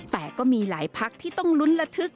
แต่ก็มีหลายพักที่ต้องลุ้นระทึก